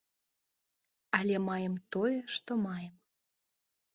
Але маем тое, што маем.